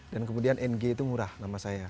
dan kemudian ng itu murah nama saya